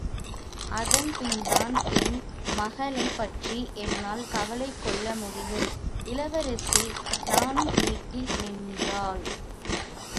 அதன் பின்தான் என் மகளைப் பற்றி என்னால் கவலை கொள்ள முடியும்!... இளவரசி நாணம் மீட்டி நின்றாள்.